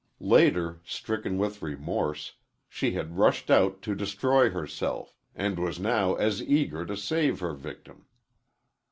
Later, stricken with remorse, she had rushed out to destroy herself, and was now as eager to save her victim.